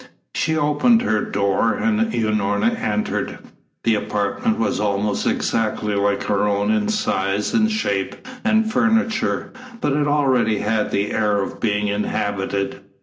She opened her door, and Unorna entered. The apartment was almost exactly like her own in size and shape and furniture, but it already had the air of being inhabited.